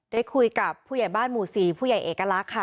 ได้คุยกับผู้ใหญ่บ้านหมู่๔ผู้ใหญ่เอกลักษณ์ค่ะ